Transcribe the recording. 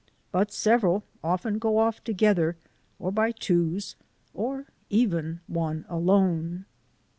But several often go off together, or by twos, or even one alone.